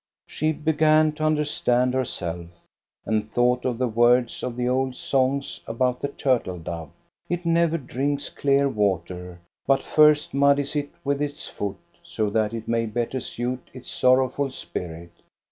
She began to understand herself, and thought of the words of the old songs about the turtle dove. It never drinks clear water, but first muddies it with its foot so that it may better suit its sorrowful spirit.